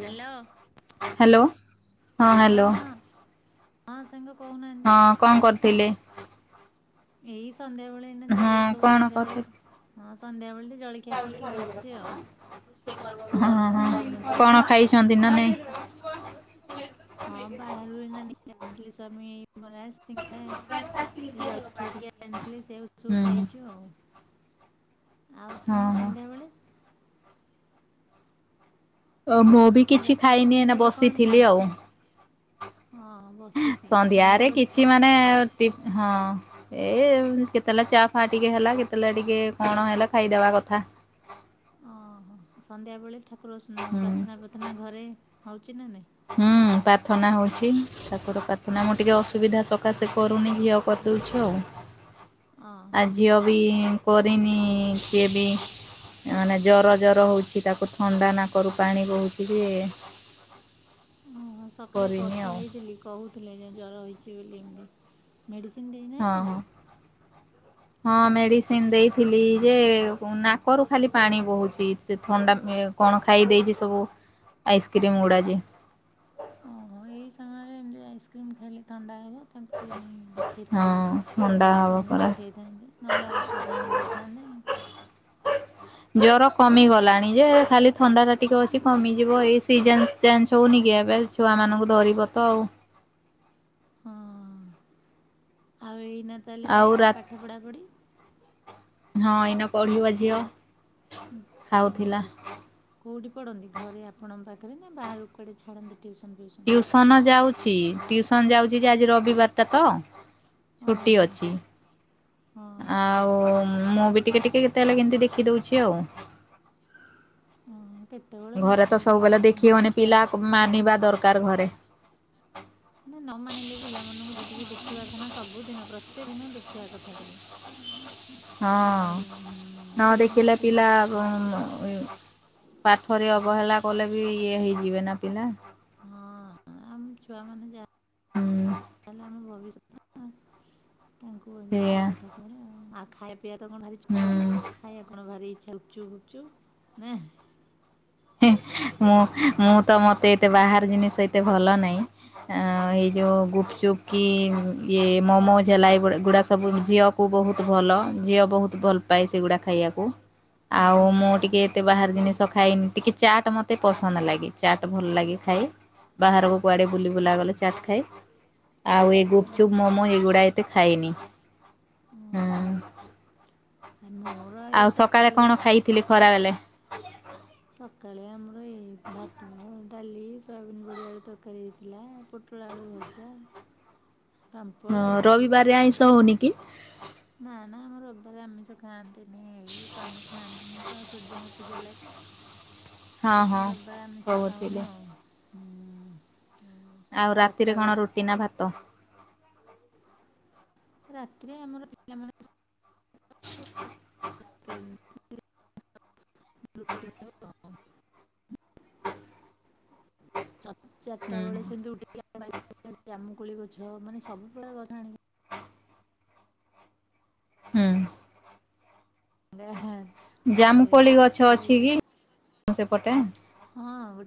Hello. Hello ହଁ hello. ହଁ ସାଙ୍ଗ। ହଁ କହୁନାହାନ୍ତି। କଣ କରୁଥିଲେ? ଏଇ- ସନ୍ଧ୍ୟାବେଳେ ଏଇନା ଚାଲେ ସବୁ ସନ୍ଧ୍ୟାବେଳେ ମା ସନ୍ଧ୍ୟବେଳେ ଯାଉଛି ଗଲେ ଗଲେ କଥା ହେବା। ହଁ ହଁ ହଁ କଣ ଖାଇ ହଁ ବାହାରୁ ଏଇନା ନେଇକି ଆସିଥିଲେ ସ୍ଵାମୀ ବରା ସିଙ୍ଗଡ଼ା ଜଳଖିଆ ଟିକେ ଆଣିଥିଲେ ସେୟା କୁ ହୁଁ ସବୁ ଖାଇଛୁ ଆଉ। ଆଉ ଆପଣ ହଁ ସନ୍ଧ୍ୟାବେଳେ ଓ ମୁଁ ବି କହିଲି କିଛି ଆପଣଙ୍କ ଖାଇନି ଏଇନା ସନ୍ଧ୍ୟାବେଳେ କଣ ବସିଥିଲି ଖାଉ ଆଉ ହଁ ବସିଥିଲି ଆଉ ସନ୍ଧ୍ୟାରେ ସନ୍ଧ୍ୟାବେଳେ କିଛି ମାନେ ଟି ହଁ ଏ କେତେବେଳେ ଚା ଫା ଟିକେ ହେଲା କେତେଳେ ଟିକେ କଣ ହେଲା ଖାଇଦବା କଥା। ଓହୋ ସନ୍ଧ୍ୟାବେଳେ ଠା ପୁର ସୁ ହୁଁ। ପ୍ରାର୍ଥନା ପ୍ରାର୍ଥନା ଘରେ ହଉଚି ନା ନାଇଁ? ହୁଁ ପ୍ରାର୍ଥନା ହଉଛି ଠାକୁର ପ୍ରାର୍ଥନା ମୁଁ ଟିକେ ଅସୁବିଧା ସକାସେ କରୁନି ଝିଅ କରିଦଉଛି ଆଉ। ଆ ଓହୋ ଝିଅ ବି କରିନି ସିଏ ବି ମାନେ ଜର ଜର ହଉଛି ତାକୁ ଥଣ୍ଡା ନାକରୁ ପାଣି ବୋହୁଛି ଯେ। ଓ ହୋ ସକାଳେ କରିନି କଥା ଆଉ ହେଇଥିଲି କହୁ ଥିଲେ ଯେଉଁ ଜର ହୋଇଛି ବୋଲି ଏମିତି ମେଡ଼ିସିନ ହଁ ଦେଇନାହାନ୍ତି ହଁ। କି? ହଁ ହେଲା ମେଡିସିନ ଦେଇଥିଲି। ଯେ ନାକରୁ ଖାଲି ପାଣି ବହୁଚି। ସେ ଥଣ୍ଡା କଣ ଖାଇ ଦେଇଚି ସବୁ ଆଇସ୍କ୍ରିମ୍ ଗୁଡା ଯେ ଓହୋ ଏଇ ସମୟରେ ଏମିତି ଆଇସ୍କ୍ରିମ ଖାଇଲେ ଥଣ୍ଡା ହେବ। ତାଙ୍କୁ ଟିକେ ନେଇ ଦେଖେଇଥାନ୍ତେ ହଁ ଥଣ୍ଡା ହବ ଡାକ୍ତରଙ୍କୁ ପରା। ଦେଖେଇଥାନ୍ତେ ନହେଲେ ଔଷଧ ଆଣି ଦେଇେଇଥାନ୍ତେ। ଜର କମିଗଲାଣି ଯେ ଖାଲି ଥଣ୍ଡା ଟା ଟିକେ ଅଛି କମିଯିବ ଏଇ ସିଜନ ଚେଞ୍ଚ ହଉନି କି? ଏବେ ଛୁଆ ମାନଙ୍କୁ ଧରିବ ତ ଆଉ। ହଁ ଆଉ ଏଇ ନା ତାହେଲେ ଆଉ ପିଲାଙ୍କ ରା ପାଠ ପଢ଼ାପୁଢ଼ି ହଁ ଏଇନା ପଢିବ ଝିଅ। ହଁ ଖାଉଥିଲା। ଘର୍ କୋଉଠି ପଢନ୍ତି ଘରେ ଆପଣଙ୍କ ପା କରେନା ବାହାରୁକୁ କୁଆଡେ ଛାଡ଼ନ୍ତିନି? ଟିଉସନ ଯାଉଚି ଟିଉସନ ଯାଉଚି ଯେ ଆଜି ରବିବାର ଟା ତ ଓହୋ ଛୁଟି ହଁ ଅଛି ହଁ ଆଉ ମୁଁ ବି ଟିକେ ଟିକେ କେତେବେଳେ କେମତି ଦେଖି ଦଉଛି। [unintelligible] ହଁ। କେତେବେଳେ କଣ ଘରେ ତ ସବୁବେଳେ ଟିକେ ସବୁବେଲ ଦେଖି ପିଲାମାନଙ୍କୁ ହଉନି ଦେଖିବା ପିଲା ମାନିବା ଦର କାର ଘରେ ନା ନ ମାନିଲେ ପିଲାମାନଙ୍କୁ କିଏ ଟିକେ ଦେଖିବା କଥା ନା ସବୁଦିନ ପ୍ରତ୍ୟେକ ଦିନ ଦେଖିଆ କଥା ଟିକେ। ହଁ ନହେଲେ ହୁଁ ନ ପିଲାଙ୍କ ଦେଖିଲେ ସ୍କୁଲ ପିଲାକୁ ଉଁ ଏ ପାଠରେ ଅବହେଲା କଲେ ବି ଇଏ ହେଇଯିବେ ନା ପିଲା ଆମ ଛୁଆ ମାନେ ଯା ହୁଁ ତାହେଲେ ଆମେ ଭବିଷ ହଁ। ତାଙ୍କୁ ସେଇଆ ଦେଖିଆ କଥା ଶୁଣିବ। ଆ [inaudible] ପିଆ ତ କଣ ଭାରି ଚ ପଡି। ହୁଁ। ଖାଇଆ କଣ ଭାରି ଚାଲୁଛୁ ବୁଲୁଚୁ ନା। ମୁଁ ମୁଁ ତ ମତେ ଏତେ ବାହାର ଜିନିଷ ଏତେ ଭଲ ନାହିଁ। ଏଇ ଯୋଉ ଗୁପଚୁପ୍ କି ଇଏ ମୋମୋଜ ହେଲା ଏ ଗୁଡ଼ା ସବୁ ଝିଅକୁ ବହୁତ ଭଲ। ଝିଅ ବହୁତ ଭଲ ପାଏ ସେଗୁଡ଼ା ଖାଇବାକୁ। ଆଉ ହଁ ମୁଁ ଟିକେ ଏତେ ବାହାର ଜିନିଷ ଶୋ ଖାଏନି। ଟିକେ ଚାଟ୍ ମତେ ପସନ୍ଦ ଲାଗେ। ଚାଟ୍ ଭଲ ଲାଗେ ଖାଇ। ବାହାରକୁ କୁଆଡେ ବୁଲି ବୁଲା ଗଲେ ଚାଟ୍ ଖାଏ। ଆଉ ଏ ଗୁପଚୁପ୍ ମୋମୋ ଏଇଗୁଡା ଏତେ ଖାଏନି। ହୁଁ। ହଁ ମୋର ଏଇ ଆଉ ଚାରିଟା ସକାଳେ ବେଳୁ କଣ ଖାଇଥିଲେ ଖରାବେଳେ। ହ [inaudible] ସକାଳେ ଆମ ଆ ଏ ଭାତ ଆଉ ଡାଲି, ସୋୟାବିନ୍ ବଡି ଆଳୁ ତରକାରୀ ହେଇଥିଲା। ପୋଟଳ ଆଳୁ ଭଜା। ହଁ ପାମ୍ପଡ଼ ଏମିତି ସବୁ ରବିବାରରେ ଛୁଆ ଆଇଁଷ ହଉନି କି? ନା ନା ରବିବାରେ ଆମିଷ ଖାଆନ୍ତିନି। ହୁଁ ସ୍ଵାମୀ ଖାଆନ୍ତିନି। ତ ସୂର୍ଯ୍ୟଙ୍କ ପୂଜା ଲାଗି। ହଁ ସେ ଯୋଗୁ ହଁ ରବିବାରେ ଆମିଷ କହୁଥିଲେ। ଖାଉନୁ ଆଉ। ହୁଁ ଆଉ ଚାରିଟା ରାତିରେ କଣ? ବେଳେ ରୁଟି ନା ଭାତ। ରାତିରେ ଆମର ପିଲାମାନେ [unintelligible] [unintelligible] ଚ ହୁଁ। ଚାରିଟା ବେଳେ ସିଏ ଡ୍ୟୁଟି ଜାମୁକୋଳି ଗଛ ମାନେ ସବୁ ପ୍ରକାର ଗଛ ଆଣିକି ହୁଁ। ତାପରେ ଜାମୁକୋଳି ଗଛ ଅଛି କି ହଁ ସେପଟେ? ବ।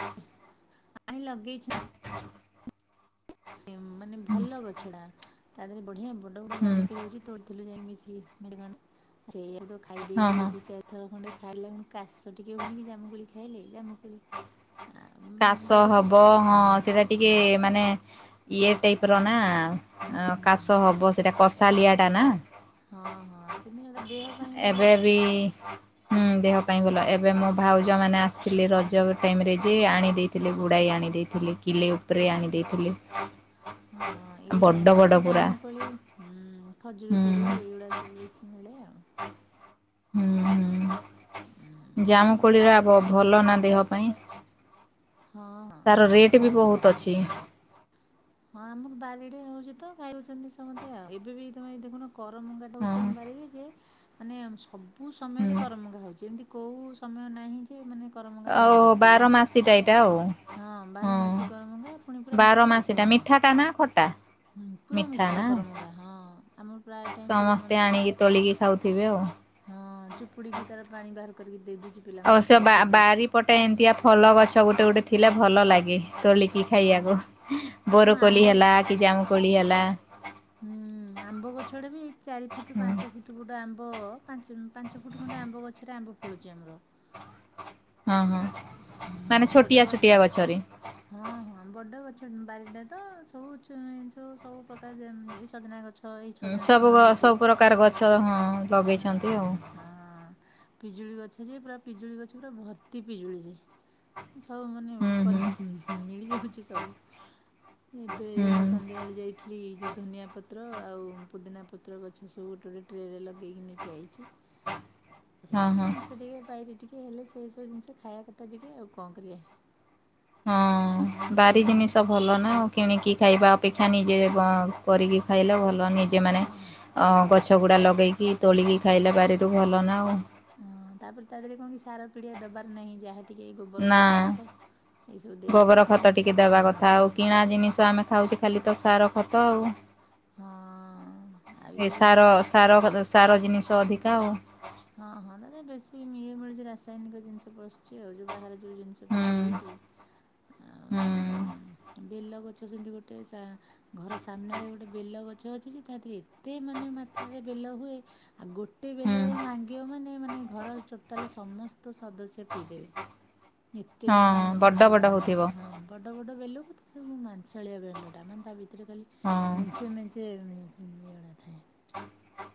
ହ। ଆଣି ଲଗେଇଛି। ହଁ। ମାନେ ଭଲ ଗଛ ଟା। ତା ବଢିଆ ବଡ଼ ବଡ଼ ଜାମୁକୋଳି ହେଉଛି। ତୋଳି ଥିଲି ଯାଇକି ମିଶି ମେ କାଣ। ସେଇଆ ତ ଖାଇ ହଁ ଦେଇେଇକି ହଁ ଦି ଚାରି ଥର ଖଣ୍ଡେ ଖାଇଲେନ। କାଶ ଟିକେ ହୁଏନି କି ଜାମୁକୋଳି କା ଖାଇଲେ ଜାମୁକୋଳି। କାଶ ବାଡ଼ି ସବୁ ହବ ହଁ ସେଟା ଟିକେ ମାନେ ଇଏ ଟାଇପ ର ନା କାଶ ହବ। ସେଇଟା କସ ସାଲିଆ ଟା ନା। ହଁ ହଁ କିନ୍ତୁ ଏଇଟା ଦେହ ପାଇଁ ଭଲ ଏବେ ବି ହୁଁ ଦେହ ପାଇଁ ଭଲ। ଏବେ ମୋ ଭାଉଜ ମାନେ ଆସିଥିଲେ ରଜ ଟାଇମରେ ଯେ ଆଣି ଦେଇଥିଲେ ଗୁଡାଏ ଆଣି ଦେଇଥିଲେ କିଲେ ଉପରେ ଆଣି ଦେଇଥିଲେ। ହଁ ଏଇ ବଡ ଟାଇମରେ ତ ବଡ ଏଇ ପୁରା ଜାମୁକୋଳି, ହୁଁ। ଖଜୁରକୋଳି ଏଇଗୁଡା ସବୁ ବେଶୀ ମିଳେ ଆଉ। [unintelligible] ହୁଁ ହୁଁ। ଜାମୁ ସମସ୍ତଙ୍କର କୋଳିର ଆ ପସନ୍ଦ ଭ-ଭଲ ନା ଦେହ ପାଇଁ। ହଁ ହଁ ତାର ରେଟ୍ ଆମ ବି ବାଇରେ କ ବହୁତ ଅଛି ହଁ ଆମକୁ ବାରିରେ ହୋଉଚି ତ ଗାଉଛନ୍ତି ସମସ୍ତେ ଆଉ, ଏବେ ବି ତମାଇ ଦେଖୁନ। କରମଙ୍ଗାଟା ହେଉଛି ହଁ ଆମ ବାରିରେ ଯେ ମାନେ ଆମ ସବୁ ବୁ ସମୟରେ ହୁଁ କରମଗା ହେଉଛି। ଏମିତି କୋଉ ସମୟ ନାହିଁ ଯେ ମାନେ କରମଙ୍ଗା ଓ ବନ୍ଦ ଅଛି ଏଇ ବାର ମାସିଟା ଏଇଟା। ଆଉ ହଁ! ହଁ ବାରମାସୀ କରମଙ୍ଗା, ପୁଣି ପୁରା ବାର ମିଠା ମାସିଟା କରମଙ୍ଗା, ମିଠାଟା ନା ଖଟା ପୁରା ମିଠା କରମଙ୍ଗା। ହଁ! ଆମର ପ୍ରାୟ ଟାଇ ସମସ୍ତେ ପିଲାମାନଙ୍କୁ ଆଣିକି ତାଙ୍କୁ ତୋଳିକି ଖାଉଥିବେ ଆଉ ହଁ! ଚୁପୁଡିକି ତାର ପାଣି ବାହାର। କରିିକ ଦେଇ ଦୁ ଆଉ ସେ ବା-ବାରିପଟେ ଏମତିଆ ଫଲ ଗଛ ଗୋଟେ, ଗୋଟେ ଅଛି। ଥିଲେ ଭଲ ଲାଗେ। ତୋଳିକି ହଁ ଖାଇବାକୁ ହଁ ବୋରକୋଲି ଆମ୍ବ ହେଲା କି ଜାମୁ କୋଳି ହେଲା। ହୁଁ! ଆମ୍ବ ଗଛ ଟେ ବି ଚାରି ଫୁଟ ହୁଁ ପାଞ୍ଚ ଫୁଟ ଗୋଟେ ଆମ୍ବ ଆମ୍ବ ପାଞ୍ଚ ପାଞ୍ଚ ଫୁଟ ଖଣ୍ଡ ଆମ୍ବ ଗରେ ଆମ୍ବ ଖଳୁଛି ଆମର ହଁ ହଁ ହଁ ମାନେ ବଡ ଛୋଟିଆ ବା ଛୋଟିଆ ଗଛରେ ହଁ ହଁ ବଡ ଗଛ। ବାରିଟା ତ ସବୁ ସବୁ ସବୁ ପ୍ରକାର ଏ ସଜନା ଗଛ। ଏଇ ଉଁ ସଜନା ସବୁ ଛୁଇଁ ଗ ହେଇଛି। ସବୁ ପ୍ରକାର ଗଛ ହଁ। ଲଗେଇଛନ୍ତି ଆଉ। ହଁ ଲଗେଇଛନ୍ତି ପୁରା ପିଜୁଳି ଗଛ ପୁରା ଭର୍ତି ପିଜୁଳି। ସବୁ ମାନେ ହୁଁ ହୁଁ ପନ ମିଳି ଯାଉଛି। ସବୁ ଏବେ ହୁଁ ଏଇନା ସନ୍ଧ୍ୟାବେଳେ ଯାଇଥିଲି ଏ ଯୁଧ ଧନିଆ ପତ୍ର ଆଉ ପୁଦିନା ପତ୍ର ଗଛ ସବୁ ଗୋଟେ ଗୋଟେ ଟ୍ରେରେ ଲଗ ଦେଇ ନେଇକି ଆଇଛି। ସେ ହଁ ହଁ ସେଠିକ ପାଇ ରିଟି ଟିକେ ହେଲେ ସେ ସବୁ ଜିନିଷ ଖାଇବା କଥା ଟିକେ ଆଉ କଣ କରିବା? ହଁ ବାରି ଜିନିଷ ଭଲ ନା କିଣିକି ଖାଇବା ଅପେକ୍ଷା ନିଜେ କରିକି ଖାଇଲେ ଭଲ। ଭଲ ନିଜେ ମାନେ ଗଛ ଗୁଡାକ ଲଗେଇକି ତୋଳିକି ଖାଇଲା ବାରିରୁ ଭଲ ନା ଆଉ। ହଁ ତାପରେ ତା ଦେହରେ କଣ କି ସାର ପିଡିଆ ଦବାର ନାହିଁ ଯାହା ଟିକେ ଏଇ ଗୋବର ନା ଖତ ଫତ ଏଇସବୁ ଦେଇଦେଲେ ଗୋବର ଖତ ଟିକେ ଦବା ହଁ କଥା ହଁ ଆଉ କିଣା ଜିନିଷ ଆମେ ଖାଉଛେ ଖାଲି ତ ସାର ଖତ ଆଉ। ହଁ ଆଉ ଏଇ ଏଇ ସାର ସାର ସାର ଜିନିଷ ଅଧିକା ଆଉ। ହଁ ହଁ ନା ବେଶୀ ଇଏ ମିଳୁଛି ରାସାୟନିକ ଜିନିଷ ପସୁଛି ଆଉ ଯୋଉ ବାହାର ଯେଉ ଜିନିଷ ହୁଁ ବିକ୍ରି ହଉଛି ଆଁ ହୁଁ ଉଁ ବେଲଗଛ ସେମିତି ଗୋଟେ ସା ଘର ସାମ୍ନାରେ ଗୋଟେ ବେଲ ଗଛ ଗଛ ଅଛି ତା ଏତେ ମାନେ ମାତ୍ରାରେ ବେଲ ହୁଏ ଆଉ ଗୋଟେ ବେଲ ହୁଁ ତ ମା ଭାଙ୍ଗିବ ମାନେ ମାନେ ଘର ଟୋଟଲ ସ ସମସ୍ତ ସଦସ୍ୟ ପିଇଦେବେ। ଏତେ ହଁ ମାନେ ତା ବଡ ଦେହରୁ ବଡ ବାହାରେ ହଉଥିବ ହଁ ବଡ ବଡ ବେଲ। ମୁଁ ମାଂସାଳିଆ ବେଲଟା ନା ତା ଭି ସେଥିରେ ଖାଲି ହଁ ମେଞ୍ଚେ ମେଞ୍ଚେ ସେ ତିନି ଓଳା ଥାଏ। [inaudible]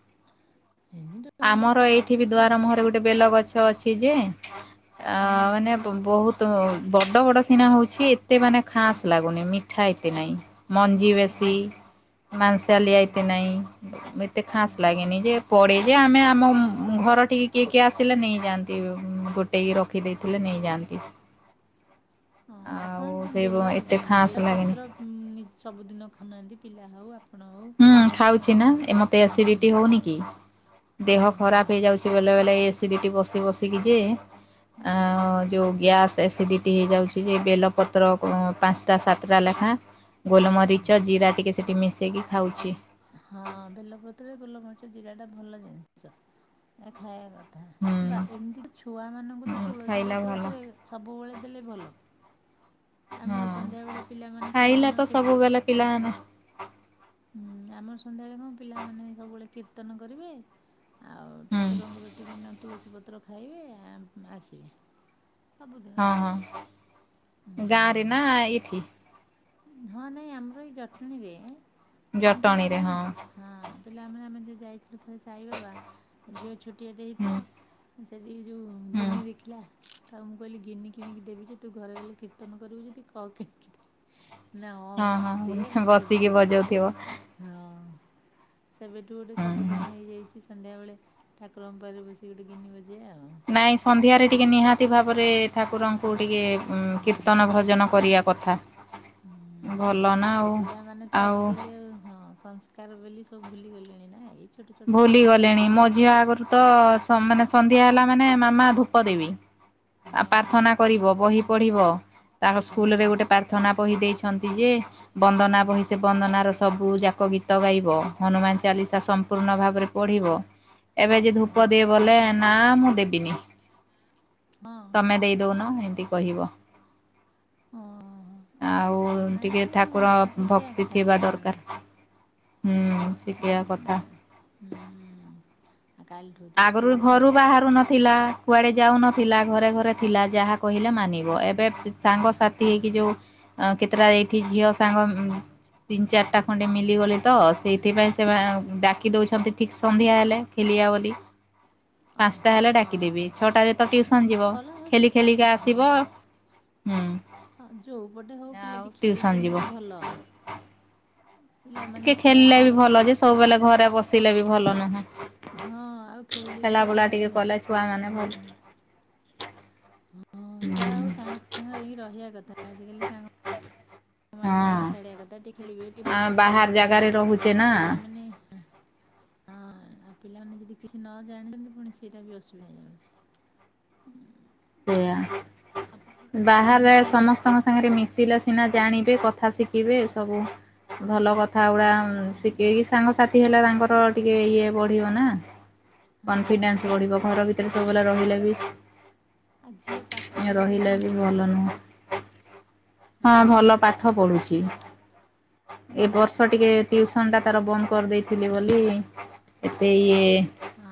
ଏମିତି ତମକୁ ଆମର ଏଇଠି ଚାଲିଛି ବି ସବୁ ଦୁଆର ମୁହରେ ଗୋଟେ ବେଲ ଗଛ ଅଛି। କି ଯେ ଅ ହୁଁ। ମାନେ ବହୁତ ବଡ ବଡ ସିନା ହଉଛି ଏତେ ମାନେ ଖାସ୍ ଲାଗୁନି ମିଠା ଏତେ ନାହିଁ। ମଞ୍ଜି ହଁ। ବେଶୀ ମାଂସଲିଆ ଏତେ ନହିଁ ଏତେ ହଁ ଖାସ୍ ଲାଗେନି ଯେ ପଡେ ଯେ ଆମେ ଆମ ଘର ଟିକେ କିଏ କିଏ ଆସିଲେ ନେଇଯାଆନ୍ତି ଗୋଟେ ଇକି ରଖିଦେଇଥିଲେ ନେଇଯାଆନ୍ତି। ହଁ ଆଉ ଆପଣ ତ ସେ ବେଲ ଏତେ ଖାସ୍ ଲାଗେନି ପତ୍ର ସବୁଦିନ ଖାଉନାହାନ୍ତି ପିଲା ହଉ ଆପ ହୁଁ ଖାଉଛି ନା ଏ ମତେ ହୁଁ ଏସିଡିଟି ହଉନି କି ହଁ ଦେହ ହଁ ଖରାପ ହେଇଯାଉଛି ବେଲେ ବେଲେ ଏସିରିଟି ବସି ବସିକି ଯେ ଆ ହଁ ଯୋଉ ଗ୍ୟାସ୍ ଏସିଡିଟି ହେଇଯାଉଛି ଯେ ବେଲ ପତ୍ର ପାଞ୍ଚଟା ସାତଟା ଲେଖାଏଁ ହୁଁ ଗୋଲମରିଚ ଜିରା ଟିକେ ସେଠି ମିଶି ସେଇକି ଖାଉଛି। ହଁ ବେଲପତ୍ରରେ ଗୋଲମରିଚ, ଜିରା ଟା ଭଲ ଜିନିଷ ଏ ଖାଇବା କଥା ବା ହୁଁ ଏମିତି ଛୁଆମାନଙ୍କୁ ତ ତୁଳସୀ ଖାଇଲା ପତ୍ର ଭଲ ତ ସବୁବେଳେ ଦେଲେ ଭଲ, ଆମର ହଁ ସନ୍ଧ୍ୟାବେଳେ ପିଲାମାନେ ଖାଇଲା ତ ସବୁଦିନ ସବୁବେଳେ ପିଲାମାନେ କୀର୍ତ୍ତ ହୁଁ ଆମର ସନ୍ଧ୍ୟାବେଳେ କଣ ପିଲାମାନେ ସବୁବେଳେ କୀର୍ତ୍ତନ କରିବେ। ଆଉ ହୁଁ ଠାକୁରଙ୍କର ଟିକେ ନ ତୁଳସୀ ପତ୍ର ଖାଇବେ ଆ ଆସିବେ। ସବୁଦିନ ହଁ ହଁ। ଗାଁ ହୁଁ। ରେ ନା, ଏଇଠି? ହଁ ନାଇଁ ଆମର ଏଇ ଜଟଣୀରେ ଜଟଣୀରେ ପିଲାମାନେ ହଁ। ହଁ ପିଲାମାନେ ଆମେ ଯଉ ଯାଇଥି ଥରେ ସାଇବାବା ଝିଅ ଛୋଟିଆଟେ ହୁଁ ହେଇଥିଲା। ସେ ଏଇ ଯଉ ହୁଁ ଗିନି ଦେଖିଲା। ଆଉ ମୁଁ କହିଲି ଗିନି କିଣିକି ଦେବି ଯେ ତୁ ଘରେ ଗଲେ କୀର୍ତନ କରିବୁୁ ଯଦି କହ। ଦେ ନା ହଁ ହଁ ତୁ ଦେ ମୁଁ ଯିବି କି ହଁ। ସେବେଠୁ ଗୋଟେ ହୁଁ ହୁଁ ସବୁଦିନ ହେଇଯାଇଛି। ସନ୍ଧ୍ୟାବେଳେ ଠାକୁରଙ୍କ ଉପରେ ବସିକ ଗୋଟେ ଗିନି ବଜାଇବା ଆଉ। ନାଇଁ ସନ୍ଧ୍ୟାରେ ଟିକେ ନିହାତି ଭାବରେ ଠାକୁରଙ୍କ ଙ୍କୁ ଟିକେ କୀର୍ତ୍ତନ ହୁଁ। ଭଜନ କରିବା କଥା, ହୁଁ ଭଲ ନା ଛୋଟ ଆଉ, ପିଲାମାନେ ତ ଆଉ ଆଜିକାଲି ହଁ ସଂସ୍କାର ବୋଲି ସବୁ ଭୁଲିଗଲେଣି ନା ଏଇ ଛୋଟ ଛୋଟ ଭୁଲି ଜିନିଷ ଗଲେଣି ଶିଖେଇବା ମଝିରେ ଆଗରୁ ତ ସମାନେ ସନ୍ଧ୍ୟା ହେଲା ମାନେ ମାମା ଧୂପ ଦେବି। କଥା। ହଁ ପ୍ରାର୍ଥନା କରିବ ବହି ପଢ଼ିବ। ତାଙ୍କ ସ୍କୁଲରେ ଗୋଟେ ହଁ ପ୍ରାର୍ଥନା କହି ଦେଇେଛନ୍ତି ଯେ ବନ୍ଦନା ବହି ସେ ବନ୍ଦନାର ସବୁଯାକ ଗୀତ ଗାଇବ ହନୁମାନ ଚାଲିଶା ସ ପୂର୍ଣ୍ଣ ଭାବରେ ପଢିବ ଏବେ ଯେ ହଁ ଧୂପ ଦିଏ ବୋଲେ ନା ମୁଁ ଦେବିନି। ହଁ ତମେ ଦେଇଦଉନ ଏମିତି କହିବ। ହଁ ଆଉ ନାଇଁ ଟିକେ ତାଙ୍କୁ ଠାକୁର ଶିଖେଇବା ଭକ୍ତି କଥା ଥିବା ପିଲାମାନଙ୍କୁ ଦରକାର। ହୁଁ ଶଖିବା କଥା ହୁଁ ହୁଁ। ଆଉ କାଲିଠୁ ତ ଆଗରୁ ସ୍କୁଲ ଖୋଲି ଘରୁ ବାହାରୁ ନଥିଲା। କୁଆଡ଼େ ଯାଉନଥିଲା ଘରେ ଘରେ ଥିଲା ଯାହା କହିଲେ ମାନିବ ଏବେ ସାଙ୍ଗସାଥି ହେଇକି ଯେଉଁ କେତେଟା ଏଇଠି ଝିଅ ସାଙ୍ଗ ତିନି ଚାରିଟା ଖଣ୍ଡେ ମିଲିଗଲି ତ ସେଇଥିପାଇଁ ସେମାନେ ଡାକି ଦେଉଛନ୍ତି ଠିକ୍ ସନ୍ଧ୍ୟା ହେଲେ ଖେଲିବେ ବୋଲି। ଅ ପାଞ୍ଚଟା ହେଲେ ଅ ଡାକିଦେବି ଛଅଟାରେ ତ ଟିଉସନ ଯିବ ଭଲ ହଉ ଖେଲି ଖେଲିକା ଆସିବ ହୁଁ ଯୋଉପଟେ ହଉ ଆଉ ପିଲାଟି ଟିଉସନ ଯିବ ଖେଳୁଛନ୍ତି ବି ଭଲ। ପିଲାମାନେ ଟିକେ ଖେଳା ଖେଲିଲେ ଖେଳି ବି ଭଲ ଯେ ସବୁବେଲେ ଘରେ ବସ ପିଲ ବି ଭଲ ନୁହେଁ। ହଁ ଆଉ ଖେଳିଲେ ଟିକେ ତାଙ୍କ ଦେହ ହୁଁ। ହ ହଁ ଯାହା ହଉ ସାଙ୍ଗ ଫଙ୍କରେ ହଁ ରହିବା କଥା ଆଜିକାଲି ସାଙ୍ଗ ଆ ମନଙ୍କୁ ସଂଞ୍ଚାଡ଼ ଆ କ ତା ଟେ ଖଳିିବେ। ଆଁ ବାହାର ଜାଗାରେ ରହୁଛେ ନା ପିଲାମାନେ ହଁ ଆଉ ପିଲାମାନେ ଯଦି କିଛି ନ ଜାଣିଛନ୍ତି ପୁଣି ସେଇଟା ବି ଅସୁବିଧା ହେଇଯାଉଛି। ସେଆା ଆଉ ବାହ ଏଇନା ତାହେଲେ ସମସ୍ତଙ୍କ ସାଙ୍ଗରେ ମିଶିଲା ସିନା ଜାଣିବେ କଥା ଶିଖିବେ ସବୁ ଭଲ କଥା କଥା ଗୁଡା ଶିଖେଇକି ସାଙ୍ଗ ସାଥି ହେଲା ତାଙ୍କର ଟିକେ ଇଏ ବଢିବ ନା ହଁ କନଫିଡନ୍ସ ପିଲା ବଢିବର ଭିତରେ ସବୁ ଲା ରହିଲେ ବି ଆଜି ଆ ପାଠ ପଢାରେ ରହିଲେ ବି କେମିତି କଣ? ଭଲ ନୁହଁ। ହଁ ହ୍ୟାଲୋ ଭଲ ପା ପାଠ ପଢୁଛି ଏ ବର୍ଷ ଟିକେ ଟ୍ୟୁସନ ଟା ତାର ବନ୍ଦ କରିଦେଇଥିଲେି ବୋଲି ଏତେ ଇଏ ନା।